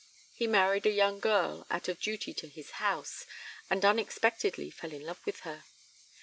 (He married a young girl, out of duty to his House, and unexpectedly fell in love with her.)